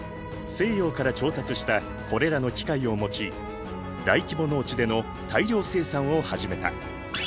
西洋から調達したこれらの機械を用い大規模農地での大量生産を始めた。